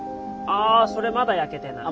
あそれまだ焼けてない。